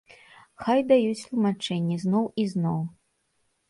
Хай даюць тлумачэнні зноў і зноў.